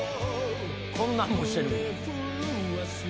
こんなんもしてるんや。